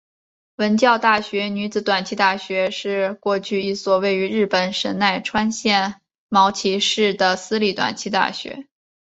文教大学女子短期大学部是过去一所位于日本神奈川县茅崎市的私立短期大学。